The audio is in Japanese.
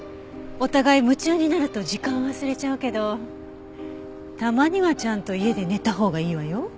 お互い夢中になると時間を忘れちゃうけどたまにはちゃんと家で寝たほうがいいわよ。